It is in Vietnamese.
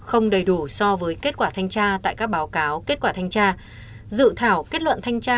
không đầy đủ so với kết quả thanh tra tại các báo cáo kết quả thanh tra dự thảo kết luận thanh tra